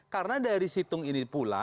karena dari situng ini pula